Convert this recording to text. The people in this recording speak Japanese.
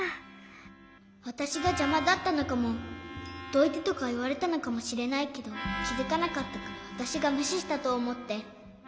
わたしがじゃまだったのかも「どいて」とかいわれたのかもしれないけどきづかなかったからわたしがむししたとおもって。